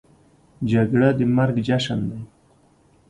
جګړه د مرګ جشن دی